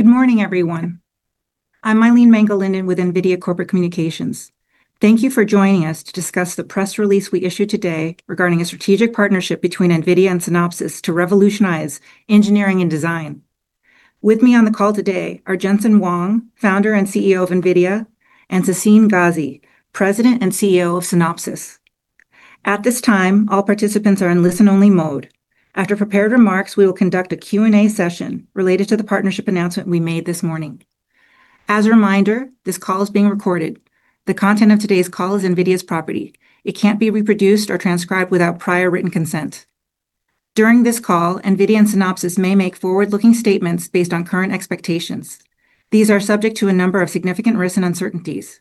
Good morning, everyone. I'm Mylene Mangalindan with NVIDIA Corporate Communications. Thank you for joining us to discuss the press release we issued today regarding a strategic partnership between NVIDIA and Synopsys to revolutionize engineering and design. With me on the call today are Jensen Huang, founder and CEO of NVIDIA, and Sassine Ghazi, president and CEO of Synopsys. At this time, all participants are in listen-only mode. After prepared remarks, we will conduct a Q&A session related to the partnership announcement we made this morning. As a reminder, this call is being recorded. The content of today's call is NVIDIA's property. It can't be reproduced or transcribed without prior written consent. During this call, NVIDIA and Synopsys may make forward-looking statements based on current expectations. These are subject to a number of significant risks and uncertainties.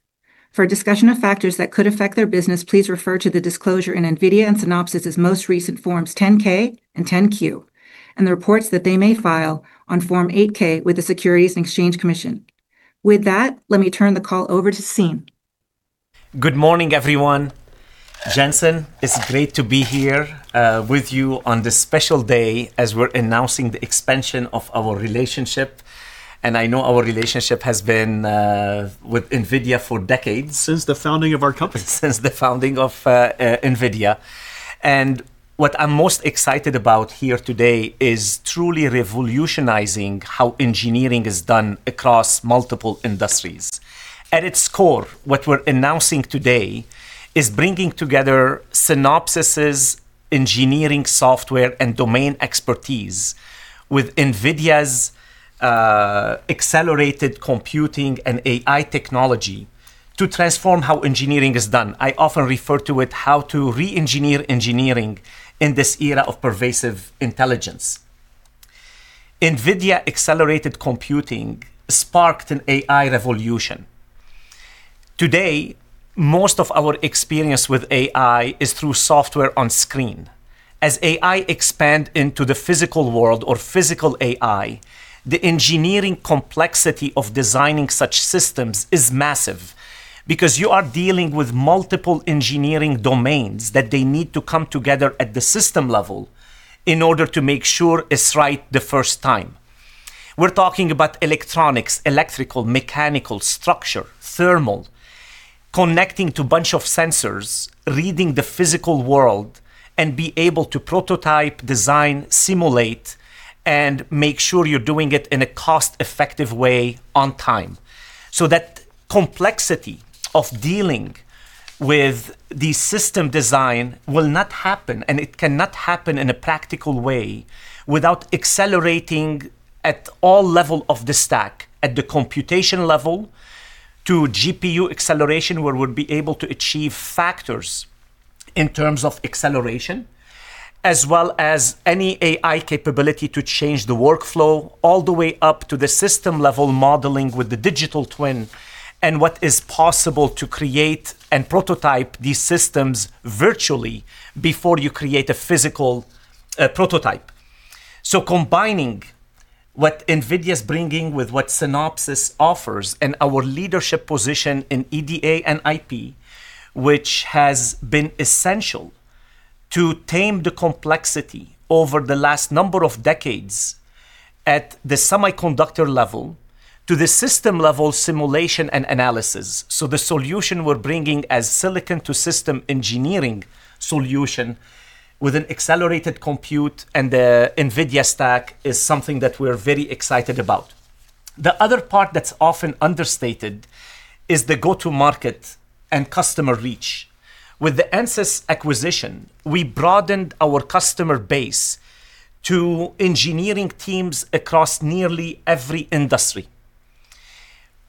For discussion of factors that could affect their business, please refer to the disclosure in NVIDIA and Synopsys' most recent Forms 10-K and 10-Q, and the reports that they may file on Form 8-K with the Securities and Exchange Commission. With that, let me turn the call over to Sassine. Good morning, everyone. Jensen, it's great to be here with you on this special day as we're announcing the expansion of our relationship. I know our relationship has been with NVIDIA for decades. Since the founding of our company. Since the founding of NVIDIA. What I'm most excited about here today is truly revolutionizing how engineering is done across multiple industries. At its core, what we're announcing today is bringing together Synopsys' engineering software and domain expertise with NVIDIA's accelerated computing and AI technology to transform how engineering is done. I often refer to it as how to re-engineer engineering in this era of pervasive intelligence. NVIDIA accelerated computing sparked an AI revolution. Today, most of our experience with AI is through software on screen. As AI expands into the physical world, or physical AI, the engineering complexity of designing such systems is massive because you are dealing with multiple engineering domains that need to come together at the system level in order to make sure it's right the first time. We're talking about electronics, electrical, mechanical, structure, thermal, connecting to a bunch of sensors, reading the physical world, and being able to prototype, design, simulate, and make sure you're doing it in a cost-effective way on time. That complexity of dealing with the system design will not happen, and it cannot happen in a practical way without accelerating at all levels of the stack, at the computation level to GPU acceleration, where we'll be able to achieve factors in terms of acceleration, as well as any AI capability to change the workflow, all the way up to the system-level modeling with the digital twin, and what is possible to create and prototype these systems virtually before you create a physical prototype. Combining what NVIDIA is bringing with what Synopsys offers and our leadership position in EDA and IP, which has been essential to tame the complexity over the last number of decades at the semiconductor level to the system-level simulation and analysis. The solution we are bringing as silicon-to-system engineering solution with an accelerated compute and the NVIDIA stack is something that we are very excited about. The other part that is often understated is the go-to-market and customer reach. With the Ansys acquisition, we broadened our customer base to engineering teams across nearly every industry.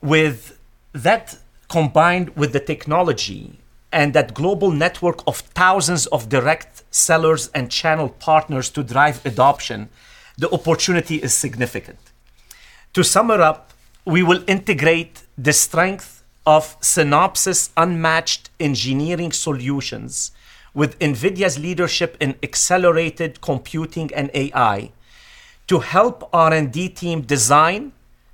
With that combined with the technology and that global network of thousands of direct sellers and channel partners to drive adoption, the opportunity is significant. To summarize, we will integrate the strength of Synopsys' unmatched engineering solutions with NVIDIA's leadership in accelerated computing and AI to help our ND team design,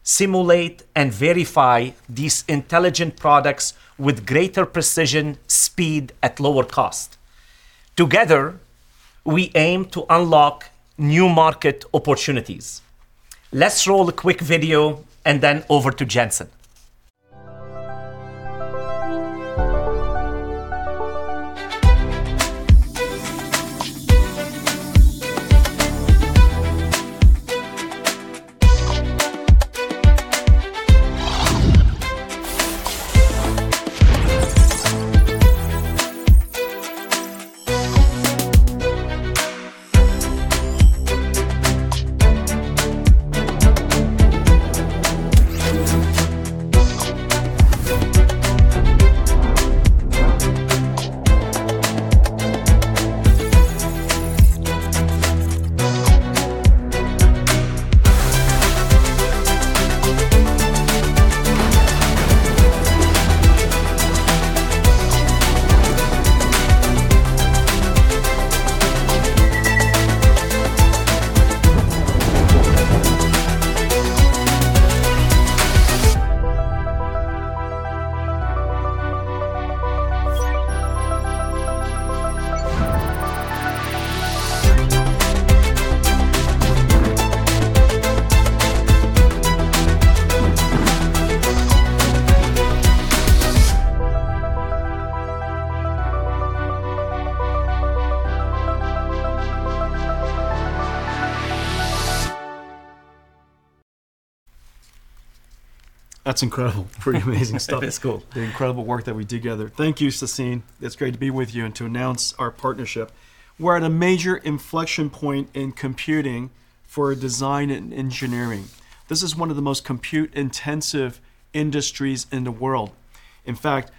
simulate, and verify these intelligent products with greater precision, speed, at lower cost. Together, we aim to unlock new market opportunities. Let's roll a quick video and then over to Jensen. That's incredible. Pretty amazing stuff. It's cool. The incredible work that we do together. Thank you, Tahsin. It's great to be with you and to announce our partnership. We're at a major inflection point in computing for design and engineering. This is one of the most compute-intensive industries in the world. In fact,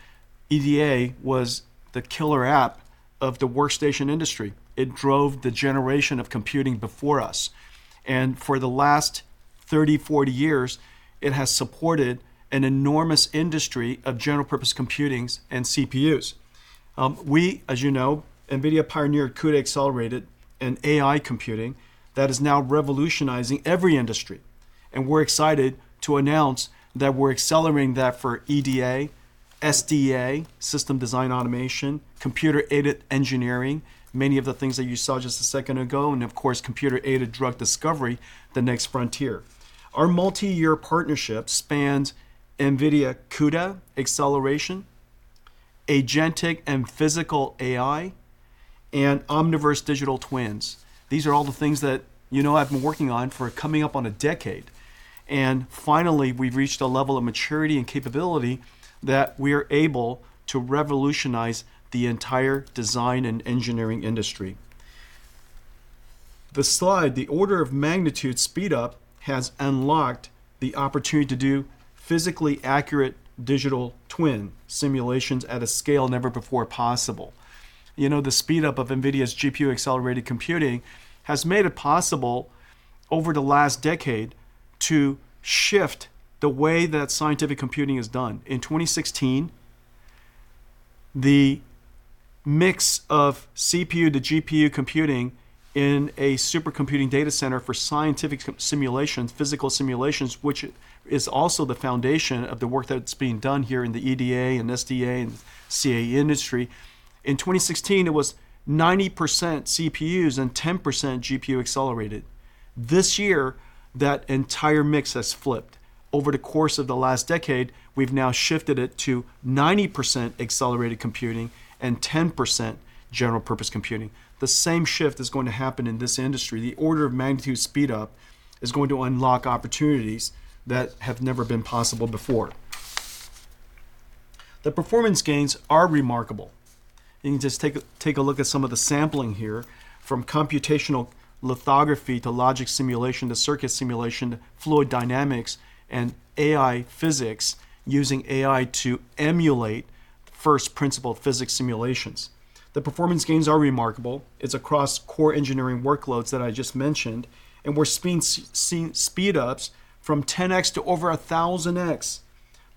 EDA was the killer app of the workstation industry. It drove the generation of computing before us. For the last 30-40 years, it has supported an enormous industry of general-purpose computings and CPUs. We, as you know, NVIDIA pioneered CUDA accelerated and AI computing that is now revolutionizing every industry. We're excited to announce that we're accelerating that for EDA, SDA, system design automation, computer-aided engineering, many of the things that you saw just a second ago, and of course, computer-aided drug discovery, the next frontier. Our multi-year partnership spans NVIDIA CUDA acceleration, agentic and physical AI, and Omniverse digital twins. These are all the things that you know I've been working on for coming up on a decade. Finally, we've reached a level of maturity and capability that we are able to revolutionize the entire design and engineering industry. The slide, the order of magnitude speed-up has unlocked the opportunity to do physically accurate digital twin simulations at a scale never before possible. You know, the speed-up of NVIDIA's GPU accelerated computing has made it possible over the last decade to shift the way that scientific computing is done. In 2016, the mix of CPU to GPU computing in a supercomputing data center for scientific simulations, physical simulations, which is also the foundation of the work that's being done here in the EDA and SDA and CAE industry. In 2016, it was 90% CPUs and 10% GPU accelerated. This year, that entire mix has flipped. Over the course of the last decade, we've now shifted it to 90% accelerated computing and 10% general-purpose computing. The same shift is going to happen in this industry. The order of magnitude speed-up is going to unlock opportunities that have never been possible before. The performance gains are remarkable. You can just take a look at some of the sampling here from computational lithography to logic simulation to circuit simulation, fluid dynamics, and AI physics using AI to emulate first-principle physics simulations. The performance gains are remarkable. It's across core engineering workloads that I just mentioned. We're seeing speed-ups from 10x to over 1,000x.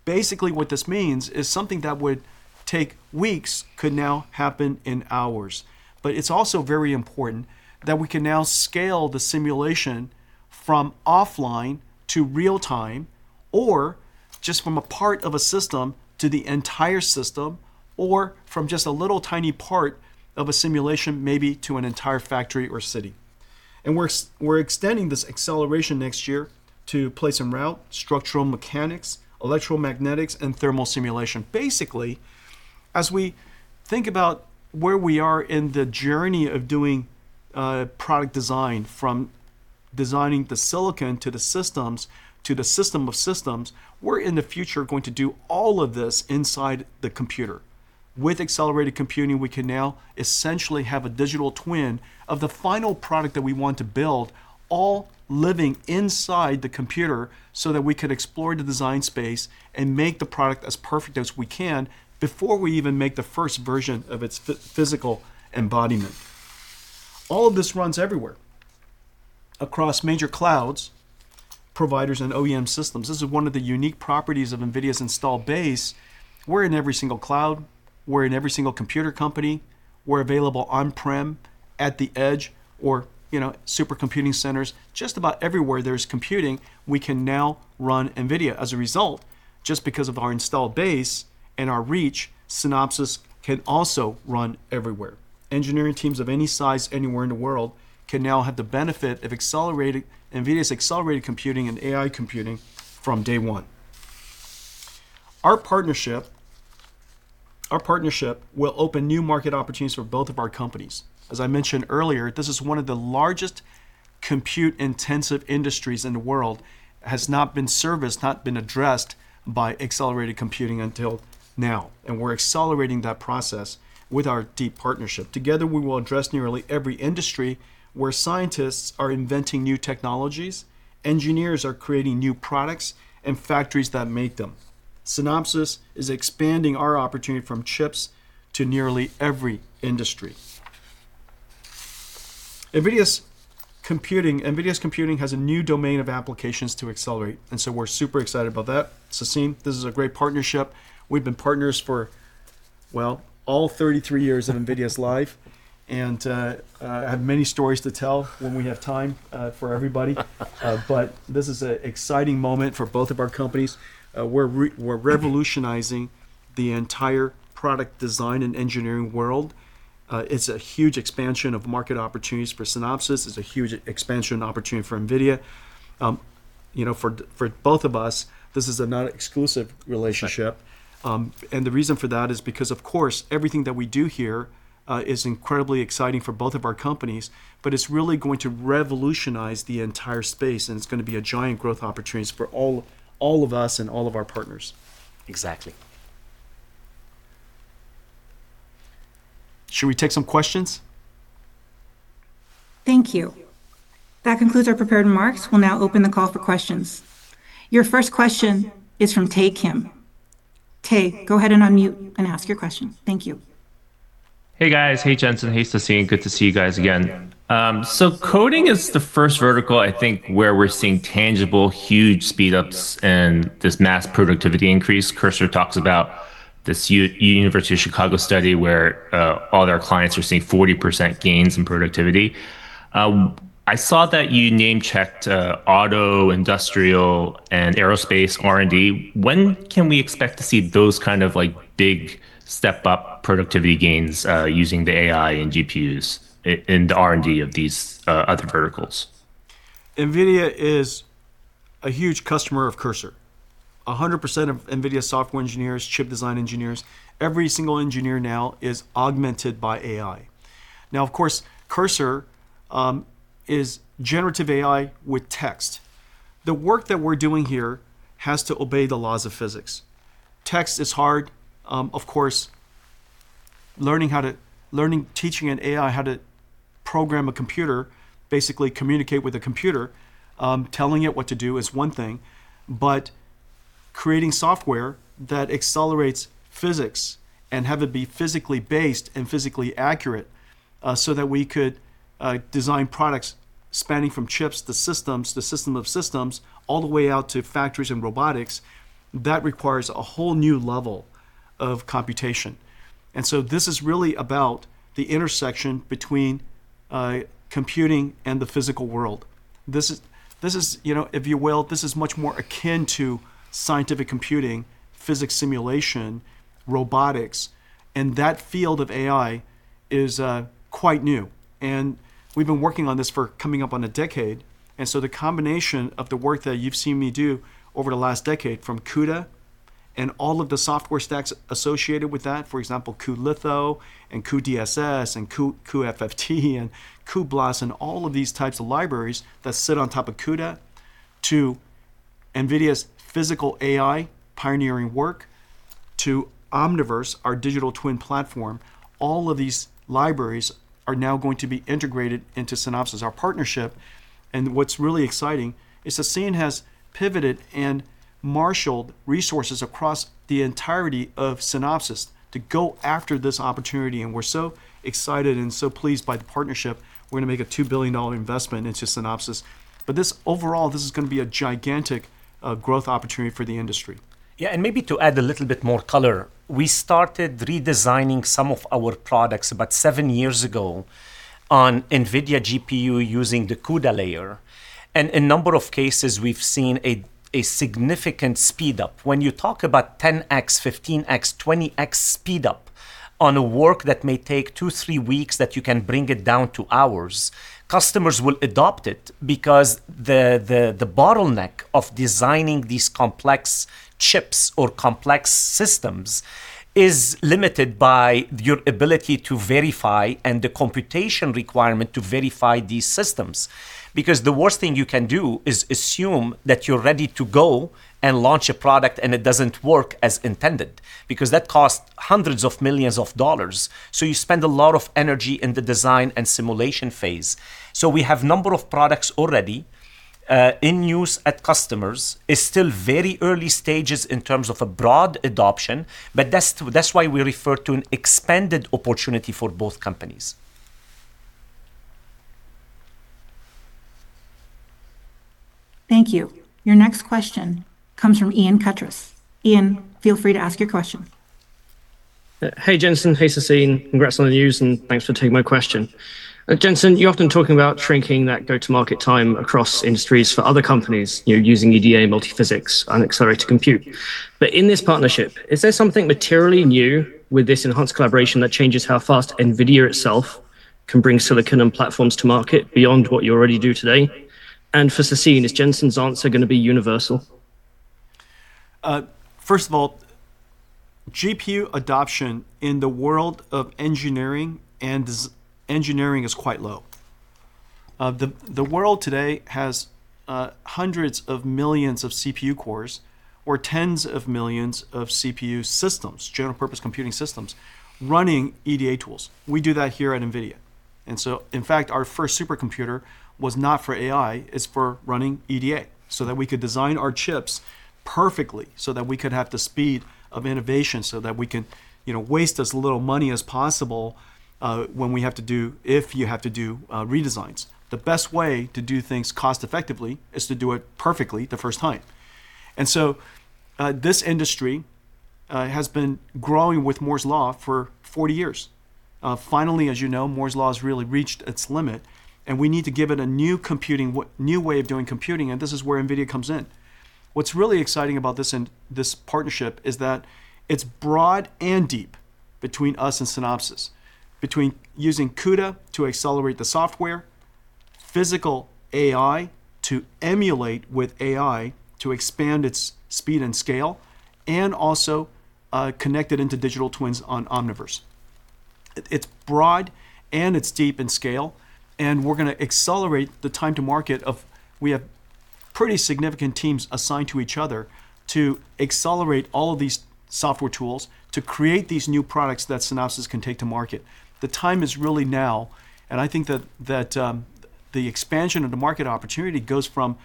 Basically, what this means is something that would take weeks could now happen in hours. It is also very important that we can now scale the simulation from offline to real-time, or just from a part of a system to the entire system, or from just a little tiny part of a simulation, maybe to an entire factory or city. We are extending this acceleration next year to place and route, structural mechanics, electromagnetics, and thermal simulation. Basically, as we think about where we are in the journey of doing product design, from designing the silicon to the systems to the system of systems, we are in the future going to do all of this inside the computer. With accelerated computing, we can now essentially have a digital twin of the final product that we want to build, all living inside the computer so that we can explore the design space and make the product as perfect as we can before we even make the first version of its physical embodiment. All of this runs everywhere across major clouds, providers, and OEM systems. This is one of the unique properties of NVIDIA's installed base. We're in every single cloud. We're in every single computer company. We're available on-prem, at the edge, or supercomputing centers. Just about everywhere there is computing, we can now run NVIDIA. As a result, just because of our installed base and our reach, Synopsys can also run everywhere. Engineering teams of any size anywhere in the world can now have the benefit of NVIDIA's accelerated computing and AI computing from day one. Our partnership will open new market opportunities for both of our companies. As I mentioned earlier, this is one of the largest compute-intensive industries in the world. It has not been serviced, not been addressed by accelerated computing until now. We are accelerating that process with our deep partnership. Together, we will address nearly every industry where scientists are inventing new technologies, engineers are creating new products, and factories that make them. Synopsys is expanding our opportunity from chips to nearly every industry. NVIDIA's computing has a new domain of applications to accelerate. We are super excited about that. Tahsin, this is a great partnership. We have been partners for, well, all 33 years of NVIDIA's life. I have many stories to tell when we have time for everybody. This is an exciting moment for both of our companies. We are revolutionizing the entire product design and engineering world. It's a huge expansion of market opportunities for Synopsys. It's a huge expansion opportunity for NVIDIA. For both of us, this is a non-exclusive relationship. The reason for that is because, of course, everything that we do here is incredibly exciting for both of our companies, but it's really going to revolutionize the entire space. It's going to be a giant growth opportunity for all of us and all of our partners. Exactly. Should we take some questions? Thank you. That concludes our prepared remarks. We'll now open the call for questions. Your first question is from Tay Kim. Tay, go ahead and unmute and ask your question. Thank you. Hey, guys. Hey, Jensen. Hey, Sassine. Good to see you guys again. Coding is the first vertical, I think, where we're seeing tangible, huge speed-ups and this mass productivity increase. Cursor talks about this University of Chicago study where all their clients are seeing 40% gains in productivity. I saw that you name-checked auto, industrial, and aerospace R&D. When can we expect to see those kind of big step-up productivity gains using the AI and GPUs in the R&D of these other verticals? NVIDIA is a huge customer of Cursor. 100% of NVIDIA software engineers, chip design engineers, every single engineer now is augmented by AI. Now, of course, Cursor is generative AI with text. The work that we're doing here has to obey the laws of physics. Text is hard. Of course, learning teaching an AI how to program a computer, basically communicate with a computer, telling it what to do is one thing. But creating software that accelerates physics and have it be physically based and physically accurate so that we could design products spanning from chips to systems, the system of systems, all the way out to factories and robotics, that requires a whole new level of computation. This is really about the intersection between computing and the physical world. If you will, this is much more akin to scientific computing, physics simulation, robotics. That field of AI is quite new. We've been working on this for coming up on a decade. The combination of the work that you've seen me do over the last decade from CUDA and all of the software stacks associated with that, for example, cuLitho, cuDSS, cuFFT, cuBLAS, and all of these types of libraries that sit on top of CUDA, to NVIDIA's physical AI pioneering work, to Omniverse, our digital twin platform, all of these libraries are now going to be integrated into Synopsys, our partnership. What's really exciting is Sassine has pivoted and marshaled resources across the entirety of Synopsys to go after this opportunity. We're so excited and so pleased by the partnership. We're going to make a $2 billion investment into Synopsys. Overall, this is going to be a gigantic growth opportunity for the industry. Yeah. Maybe to add a little bit more color, we started redesigning some of our products about seven years ago on NVIDIA GPU using the CUDA layer. In a number of cases, we've seen a significant speed-up. When you talk about 10x, 15x, 20x speed-up on a work that may take two, three weeks that you can bring it down to hours, customers will adopt it because the bottleneck of designing these complex chips or complex systems is limited by your ability to verify and the computation requirement to verify these systems. The worst thing you can do is assume that you're ready to go and launch a product and it doesn't work as intended because that costs hundreds of millions of dollars. You spend a lot of energy in the design and simulation phase. We have a number of products already in use at customers. It's still very early stages in terms of a broad adoption. That's why we refer to an expanded opportunity for both companies. Thank you. Your next question comes from Ian Cuttriss. Ian, feel free to ask your question. Hey, Jensen. Hey, Sassine. Congrats on the news. Thanks for taking my question. Jensen, you're often talking about shrinking that go-to-market time across industries for other companies using EDA and multiphysics and accelerated compute. In this partnership, is there something materially new with this enhanced collaboration that changes how fast NVIDIA itself can bring silicon and platforms to market beyond what you already do today? For Tahsin, is Jensen's answer going to be universal? First of all, GPU adoption in the world of engineering and engineering is quite low. The world today has hundreds of millions of CPU cores or tens of millions of CPU systems, general-purpose computing systems, running EDA tools. We do that here at NVIDIA. In fact, our first supercomputer was not for AI. It's for running EDA so that we could design our chips perfectly so that we could have the speed of innovation so that we can waste as little money as possible when we have to do, if you have to do, redesigns. The best way to do things cost-effectively is to do it perfectly the first time. This industry has been growing with Moore's Law for 40 years. Finally, as you know, Moore's Law has really reached its limit. We need to give it a new computing, new way of doing computing. This is where NVIDIA comes in. What's really exciting about this partnership is that it's broad and deep between us and Synopsys, between using CUDA to accelerate the software, physical AI to emulate with AI to expand its speed and scale, and also connected into digital twins on Omniverse. It's broad and it's deep in scale. We're going to accelerate the time to market. We have pretty significant teams assigned to each other to accelerate all of these software tools to create these new products that Synopsys can take to market. The time is really now. I think that the expansion of the market opportunity goes from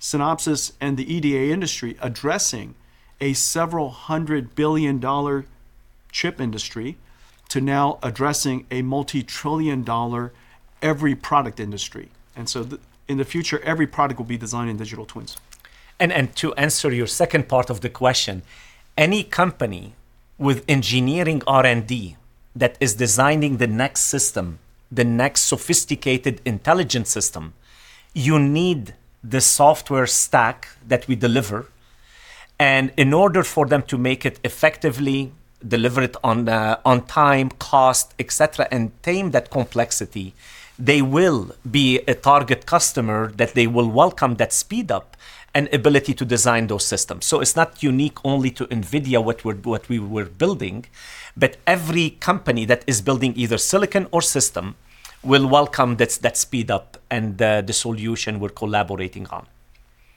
Synopsys and the EDA industry addressing a several hundred billion dollar chip industry to now addressing a multi-trillion dollar every product industry. In the future, every product will be designed in digital twins. To answer your second part of the question, any company with engineering R&D that is designing the next system, the next sophisticated intelligence system, you need the software stack that we deliver. In order for them to make it effectively, deliver it on time, cost, et cetera, and tame that complexity, they will be a target customer that they will welcome that speed-up and ability to design those systems. It is not unique only to NVIDIA what we were building. Every company that is building either silicon or system will welcome that speed-up and the solution we're collaborating on.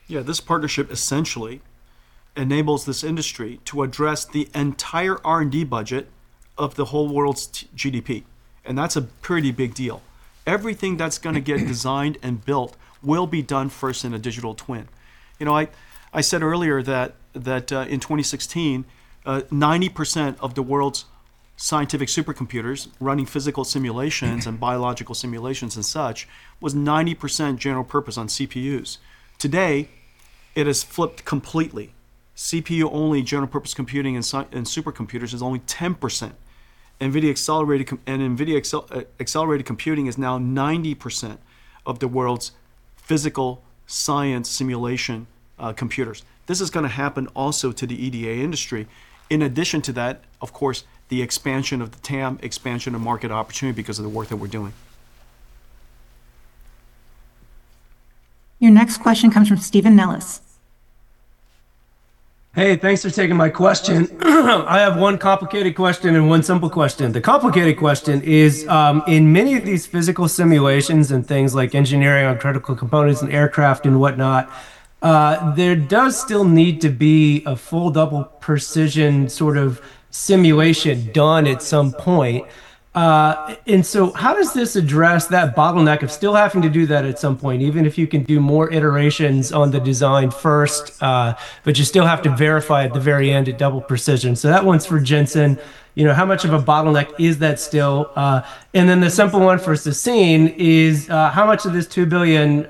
Yeah. This partnership essentially enables this industry to address the entire R&D budget of the whole world's GDP. That's a pretty big deal. Everything that's going to get designed and built will be done first in a digital twin. I said earlier that in 2016, 90% of the world's scientific supercomputers running physical simulations and biological simulations and such was 90% general purpose on CPUs. Today, it has flipped completely. CPU-only general-purpose computing and supercomputers is only 10%. NVIDIA accelerated computing is now 90% of the world's physical science simulation computers. This is going to happen also to the EDA industry. In addition to that, of course, the expansion of the TAM, expansion of market opportunity because of the work that we're doing. Your next question comes from Steven Nellis. Hey, thanks for taking my question. I have one complicated question and one simple question. The complicated question is, in many of these physical simulations and things like engineering on critical components and aircraft and whatnot, there does still need to be a full double precision sort of simulation done at some point. How does this address that bottleneck of still having to do that at some point, even if you can do more iterations on the design first, but you still have to verify at the very end at double precision? That one's for Jensen. How much of a bottleneck is that still? The simple one for Sassine is, how much of this $2 billion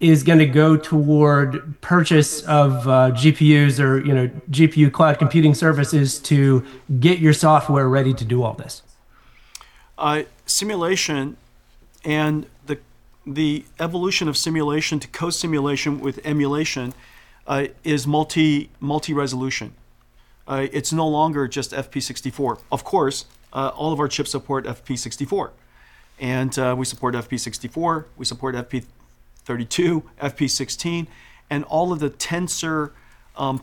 is going to go toward purchase of GPUs or GPU cloud computing services to get your software ready to do all this? Simulation and the evolution of simulation to co-simulation with emulation is multi-resolution. It's no longer just FP64. Of course, all of our chips support FP64. We support FP64. We support FP32, FP16, and all of the tensor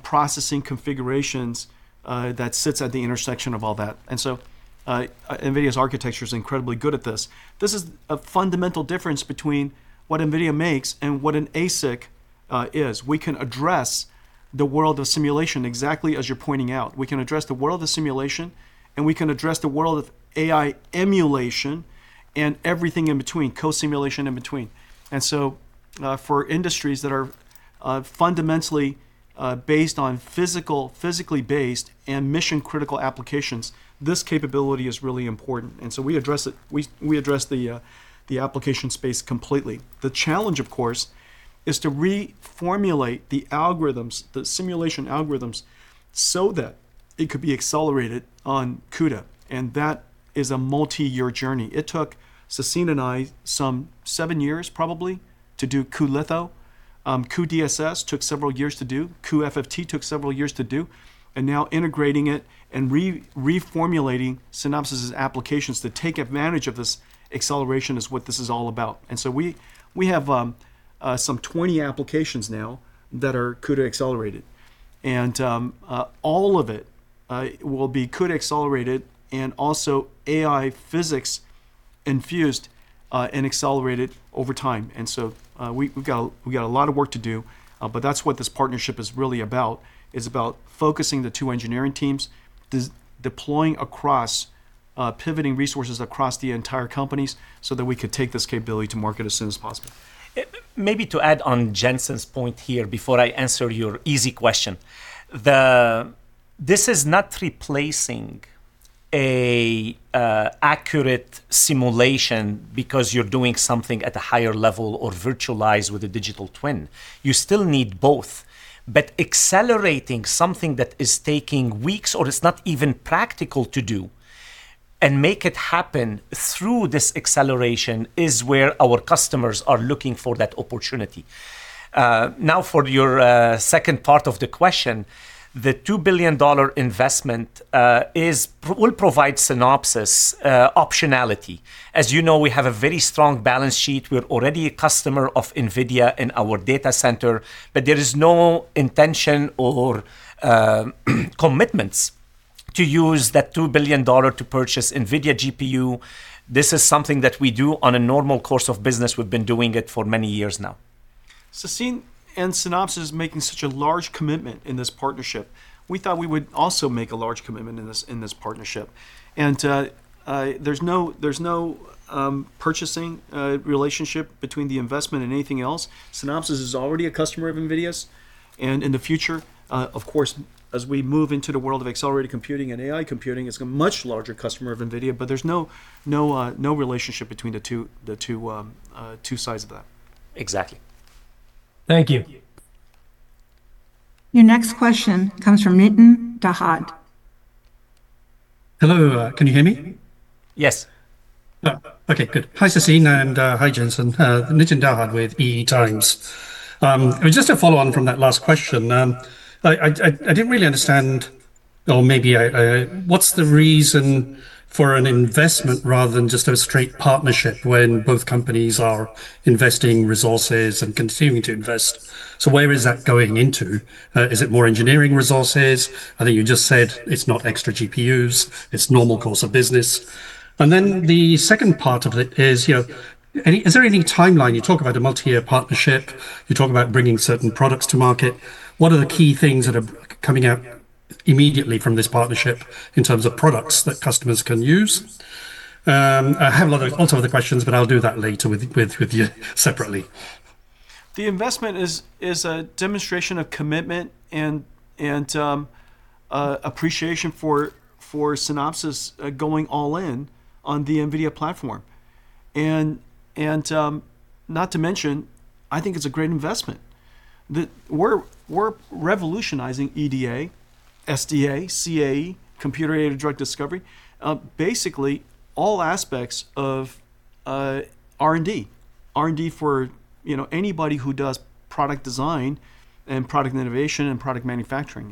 processing configurations that sit at the intersection of all that. NVIDIA's architecture is incredibly good at this. This is a fundamental difference between what NVIDIA makes and what an ASIC is. We can address the world of simulation exactly as you're pointing out. We can address the world of simulation. We can address the world of AI emulation and everything in between, co-simulation in between. For industries that are fundamentally based on physically based and mission-critical applications, this capability is really important. We address the application space completely. The challenge, of course, is to reformulate the algorithms, the simulation algorithms, so that it could be accelerated on CUDA. That is a multi-year journey. It took Sassine and I some seven years, probably, to do cuLitho. cuDSS took several years to do. cuFFT took several years to do. Now integrating it and reformulating Synopsys' applications to take advantage of this acceleration is what this is all about. We have some 20 applications now that are CUDA accelerated. All of it will be CUDA accelerated and also AI physics infused and accelerated over time. We have a lot of work to do. That is what this partnership is really about, is about focusing the two engineering teams, deploying across, pivoting resources across the entire companies so that we could take this capability to market as soon as possible. Maybe to add on Jensen's point here before I answer your easy question, this is not replacing an accurate simulation because you're doing something at a higher level or virtualized with a digital twin. You still need both. Accelerating something that is taking weeks or is not even practical to do and make it happen through this acceleration is where our customers are looking for that opportunity. Now, for your second part of the question, the $2 billion investment will provide Synopsys optionality. As you know, we have a very strong balance sheet. We're already a customer of NVIDIA in our data center. There is no intention or commitments to use that $2 billion to purchase NVIDIA GPU. This is something that we do in the normal course of business. We've been doing it for many years now. Tahsin and Synopsys are making such a large commitment in this partnership. We thought we would also make a large commitment in this partnership. There is no purchasing relationship between the investment and anything else. Synopsys is already a customer of NVIDIA's. In the future, of course, as we move into the world of accelerated computing and AI computing, it is a much larger customer of NVIDIA. There is no relationship between the two sides of that. Exactly. Thank you. Your next question comes from Nitin Dahad. Hello. Can you hear me? Yes. OK, good. Hi, Tahsin. And hi, Jensen. Nitin Dahad with EE Times. Just to follow on from that last question, I didn't really understand, or maybe what's the reason for an investment rather than just a straight partnership when both companies are investing resources and continuing to invest? So where is that going into? Is it more engineering resources? I think you just said it's not extra GPUs. It's normal course of business. The second part of it is, is there any timeline? You talk about a multi-year partnership. You talk about bringing certain products to market. What are the key things that are coming out immediately from this partnership in terms of products that customers can use? I have lots of other questions, but I'll do that later with you separately. The investment is a demonstration of commitment and appreciation for Synopsys going all in on the NVIDIA platform. Not to mention, I think it's a great investment. We're revolutionizing EDA, SDA, CAE, computer-aided drug discovery, basically all aspects of R&D, R&D for anybody who does product design and product innovation and product manufacturing.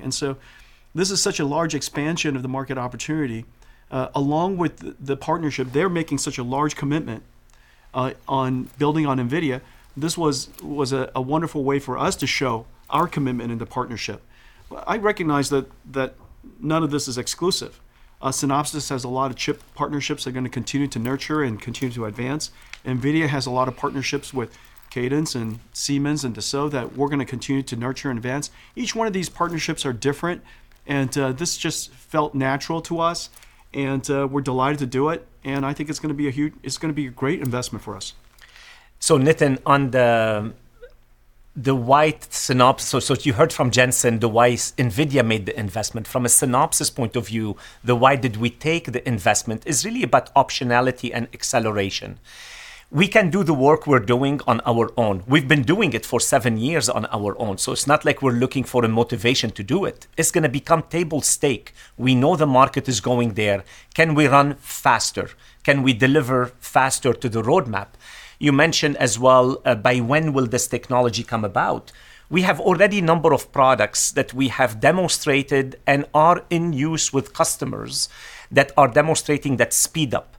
This is such a large expansion of the market opportunity. Along with the partnership, they're making such a large commitment on building on NVIDIA. This was a wonderful way for us to show our commitment in the partnership. I recognize that none of this is exclusive. Synopsys has a lot of chip partnerships they're going to continue to nurture and continue to advance. NVIDIA has a lot of partnerships with Cadence and Siemens and Dassault that we're going to continue to nurture and advance. Each one of these partnerships are different. This just felt natural to us. We are delighted to do it. I think it is going to be a great investment for us. Nitin, on the why Synopsys, you heard from Jensen, the why NVIDIA made the investment. From a Synopsys point of view, the why did we take the investment is really about optionality and acceleration. We can do the work we're doing on our own. We've been doing it for seven years on our own. It's not like we're looking for a motivation to do it. It's going to become table stake. We know the market is going there. Can we run faster? Can we deliver faster to the roadmap? You mentioned as well, by when will this technology come about? We have already a number of products that we have demonstrated and are in use with customers that are demonstrating that speed-up.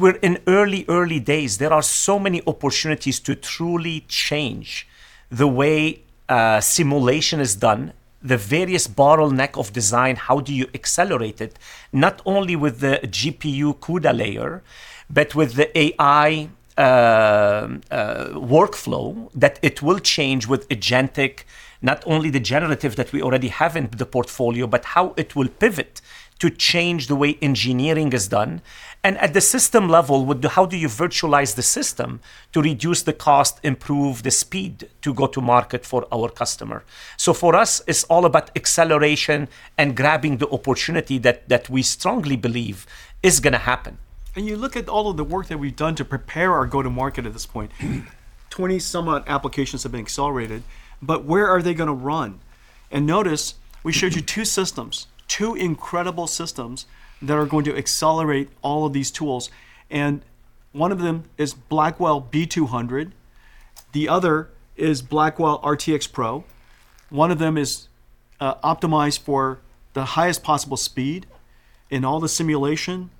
We're in early, early days. There are so many opportunities to truly change the way simulation is done, the various bottlenecks of design, how do you accelerate it, not only with the GPU CUDA layer, but with the AI workflow that it will change with agentic, not only the generative that we already have in the portfolio, but how it will pivot to change the way engineering is done. At the system level, how do you virtualize the system to reduce the cost, improve the speed to go to market for our customer? For us, it's all about acceleration and grabbing the opportunity that we strongly believe is going to happen. You look at all of the work that we've done to prepare our go-to-market at this point. Twenty-some-odd applications have been accelerated. Where are they going to run? Notice, we showed you two systems, two incredible systems that are going to accelerate all of these tools. One of them is Blackwell B200. The other is Blackwell RTX Pro. One of them is optimized for the highest possible speed in all the simulation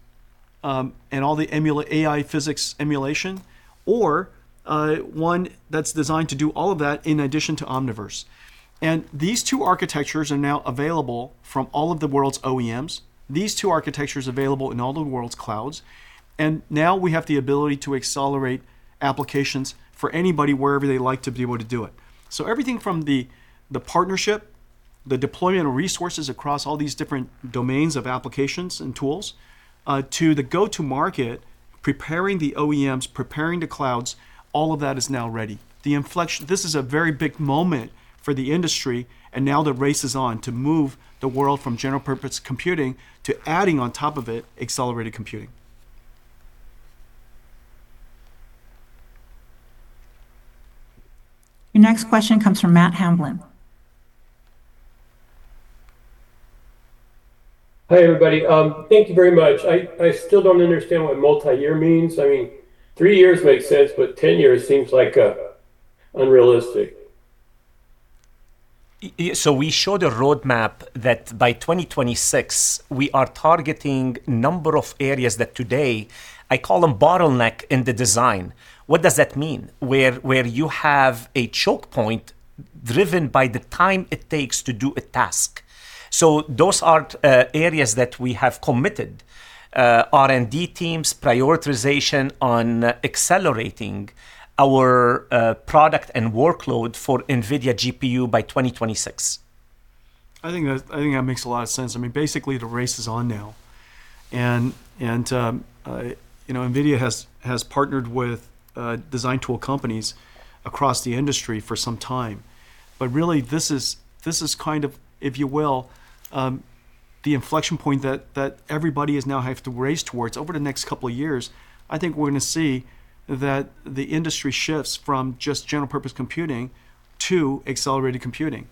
and all the AI physics emulation, or one that's designed to do all of that in addition to Omniverse. These two architectures are now available from all of the world's OEMs. These two architectures are available in all the world's clouds. Now we have the ability to accelerate applications for anybody, wherever they like to be able to do it. Everything from the partnership, the deployment of resources across all these different domains of applications and tools, to the go-to-market, preparing the OEMs, preparing the clouds, all of that is now ready. This is a very big moment for the industry. Now the race is on to move the world from general-purpose computing to adding on top of it accelerated computing. Your next question comes from Matt Hamblin. Hi, everybody. Thank you very much. I still don't understand what multi-year means. I mean, three years makes sense, but 10 years seems like unrealistic. We showed a roadmap that by 2026, we are targeting a number of areas that today, I call them bottlenecks in the design. What does that mean? Where you have a choke point driven by the time it takes to do a task. Those are areas that we have committed R&D teams, prioritization on accelerating our product and workload for NVIDIA GPU by 2026. I think that makes a lot of sense. I mean, basically, the race is on now. NVIDIA has partnered with design tool companies across the industry for some time. This is kind of, if you will, the inflection point that everybody is now having to race towards over the next couple of years. I think we're going to see that the industry shifts from just general-purpose computing to accelerated computing.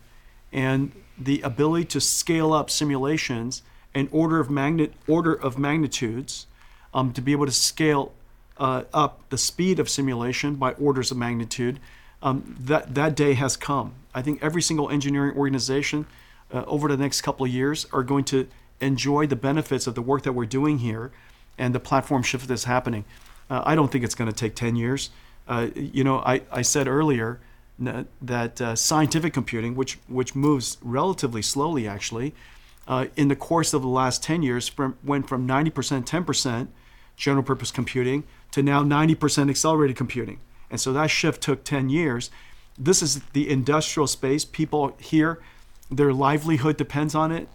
The ability to scale up simulations in order of magnitudes to be able to scale up the speed of simulation by orders of magnitude, that day has come. I think every single engineering organization over the next couple of years are going to enjoy the benefits of the work that we're doing here and the platform shift that's happening. I don't think it's going to take 10 years. I said earlier that scientific computing, which moves relatively slowly, actually, in the course of the last 10 years went from 90%, 10% general-purpose computing to now 90% accelerated computing. That shift took 10 years. This is the industrial space. People here, their livelihood depends on it.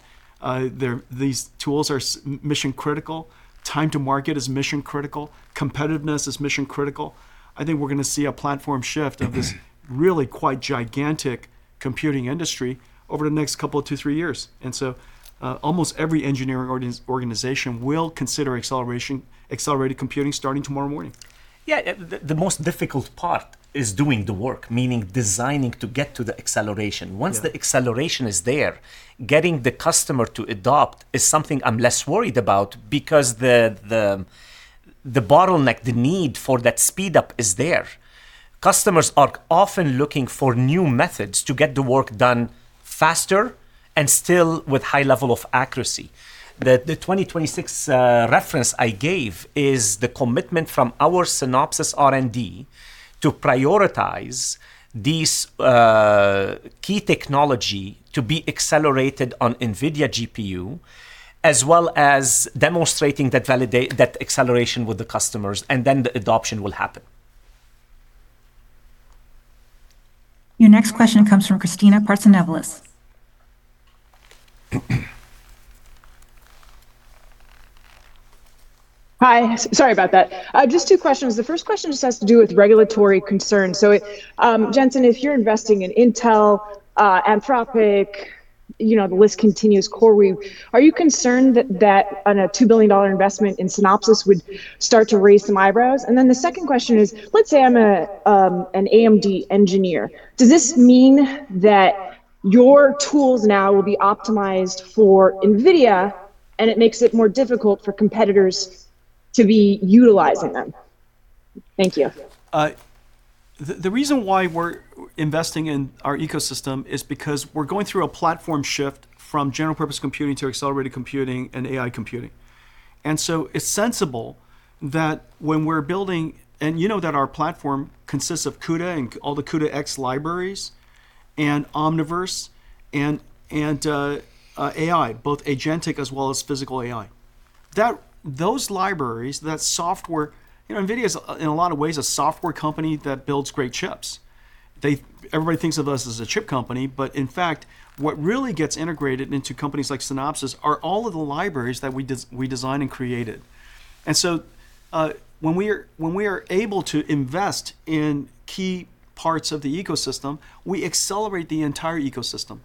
These tools are mission-critical. Time to market is mission-critical. Competitiveness is mission-critical. I think we're going to see a platform shift of this really quite gigantic computing industry over the next couple of two, three years. Almost every engineering organization will consider accelerated computing starting tomorrow morning. Yeah, the most difficult part is doing the work, meaning designing to get to the acceleration. Once the acceleration is there, getting the customer to adopt is something I'm less worried about because the bottleneck, the need for that speed-up is there. Customers are often looking for new methods to get the work done faster and still with a high level of accuracy. The 2026 reference I gave is the commitment from our Synopsys R&D to prioritize this key technology to be accelerated on NVIDIA GPU, as well as demonstrating that acceleration with the customers. The adoption will happen. Your next question comes from Christina Parson-Evelles. Hi. Sorry about that. Just two questions. The first question just has to do with regulatory concerns. Jensen, if you're investing in Intel, Anthropic, the list continues, CoreWeave, are you concerned that a $2 billion investment in Synopsys would start to raise some eyebrows? The second question is, let's say I'm an AMD engineer. Does this mean that your tools now will be optimized for NVIDIA and it makes it more difficult for competitors to be utilizing them? Thank you. The reason why we're investing in our ecosystem is because we're going through a platform shift from general-purpose computing to accelerated computing and AI computing. It's sensible that when we're building and you know that our platform consists of CUDA and all the CUDA X libraries and Omniverse and AI, both agentic as well as physical AI. Those libraries, that software, NVIDIA is in a lot of ways a software company that builds great chips. Everybody thinks of us as a chip company. In fact, what really gets integrated into companies like Synopsys are all of the libraries that we design and created. When we are able to invest in key parts of the ecosystem, we accelerate the entire ecosystem.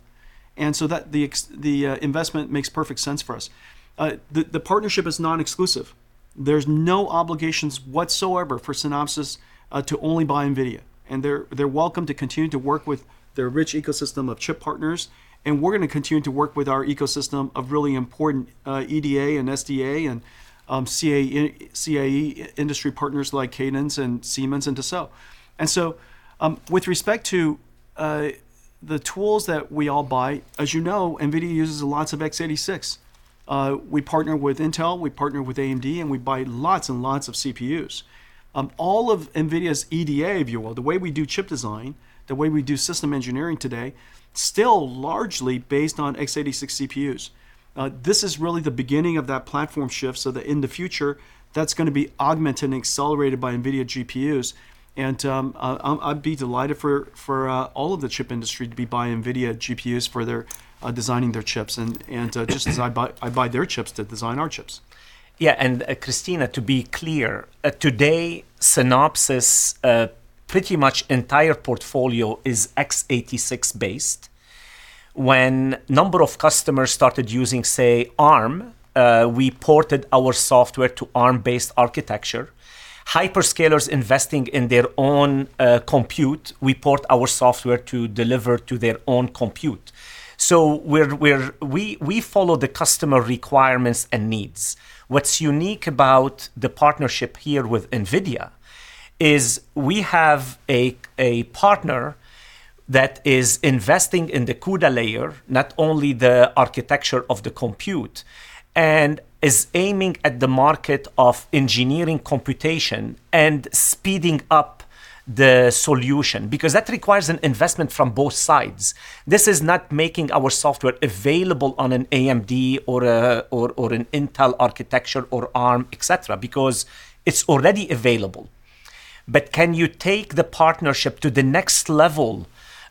That investment makes perfect sense for us. The partnership is non-exclusive. There's no obligations whatsoever for Synopsys to only buy NVIDIA. They are welcome to continue to work with their rich ecosystem of chip partners. We are going to continue to work with our ecosystem of really important EDA and SDA and CAE industry partners like Cadence and Siemens and Dassault. With respect to the tools that we all buy, as you know, NVIDIA uses lots of x86. We partner with Intel. We partner with AMD. We buy lots and lots of CPUs. All of NVIDIA's EDA, if you will, the way we do chip design, the way we do system engineering today, is still largely based on x86 CPUs. This is really the beginning of that platform shift. In the future, that is going to be augmented and accelerated by NVIDIA GPUs. I would be delighted for all of the chip industry to be buying NVIDIA GPUs for designing their chips. Just as I buy their chips to design our chips. Yeah. Christina, to be clear, today, Synopsys' pretty much entire portfolio is x86-based. When a number of customers started using, say, ARM, we ported our software to Arm-based architecture. Hyperscalers investing in their own compute, we port our software to deliver to their own compute. We follow the customer requirements and needs. What's unique about the partnership here with NVIDIA is we have a partner that is investing in the CUDA layer, not only the architecture of the compute, and is aiming at the market of engineering computation and speeding up the solution because that requires an investment from both sides. This is not making our software available on an AMD or an Intel architecture or ARM, et cetera, because it's already available. Can you take the partnership to the next level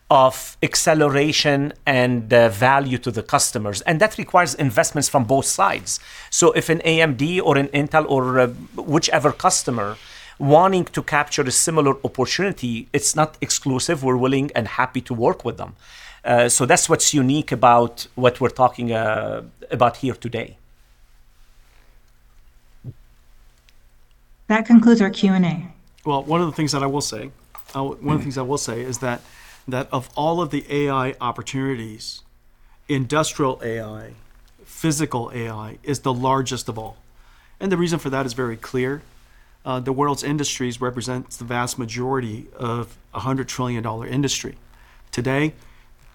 of acceleration and value to the customers? That requires investments from both sides. If an AMD or an Intel or whichever customer wanting to capture a similar opportunity, it's not exclusive. We're willing and happy to work with them. That's what's unique about what we're talking about here today. That concludes our Q&A. One of the things that I will say, one of the things I will say is that of all of the AI opportunities, industrial AI, physical AI is the largest of all. The reason for that is very clear. The world's industries represent the vast majority of a $100 trillion industry. Today,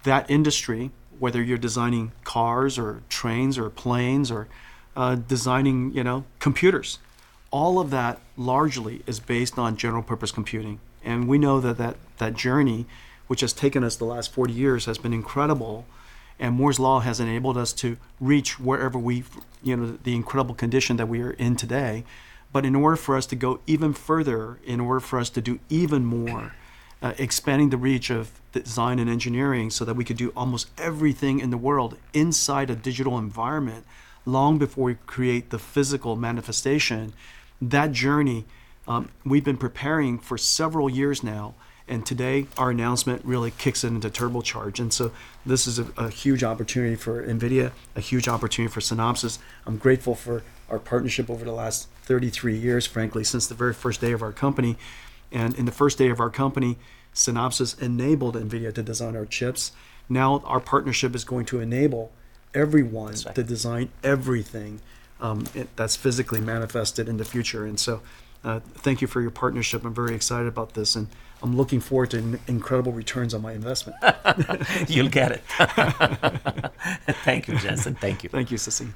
that industry, whether you're designing cars or trains or planes or designing computers, all of that largely is based on general-purpose computing. We know that that journey, which has taken us the last 40 years, has been incredible. Moore's Law has enabled us to reach wherever we the incredible condition that we are in today. In order for us to go even further, in order for us to do even more, expanding the reach of the design and engineering so that we could do almost everything in the world inside a digital environment long before we create the physical manifestation, that journey we've been preparing for several years now. Today, our announcement really kicks it into turbocharge. This is a huge opportunity for NVIDIA, a huge opportunity for Synopsys. I'm grateful for our partnership over the last 33 years, frankly, since the very first day of our company. In the first day of our company, Synopsys enabled NVIDIA to design our chips. Now, our partnership is going to enable everyone to design everything that's physically manifested in the future. Thank you for your partnership. I'm very excited about this. I'm looking forward to incredible returns on my investment. You'll get it. Thank you, Jensen. Thank you. Thank you, Sissy.